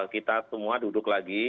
kita semua duduk lagi